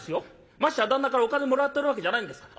ましてや旦那からお金もらってるわけじゃないんですから。